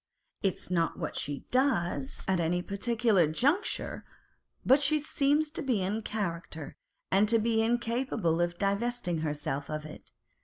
It is not what she does at any particular juncture, but she seems to be the character, and to be incapable of divesting herself of it.